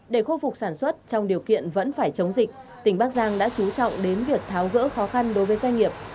để khôi phục sản xuất trong điều kiện vẫn phải chống dịch tỉnh bắc giang đã chú trọng đến việc tháo gỡ khó khăn đối với doanh nghiệp